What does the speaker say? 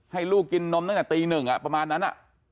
ให้ลูกกินนมตั้งแต่ตีหนึ่งประมาณนั้น